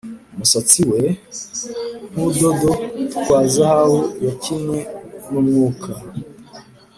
umusatsi we nkudodo twa zahabu yakinnye numwuka